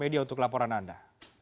media untuk laporan anda